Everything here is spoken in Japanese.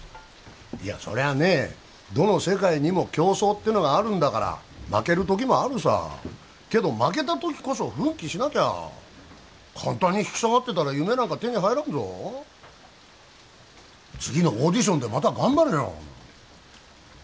いやそりゃあねどの世界にも競争ってのがあるんだから負ける時もあるさけど負けた時こそ奮起しなきゃ簡単に引き下がってたら夢なんか手に入らんぞ次のオーディションでまた頑張れよ！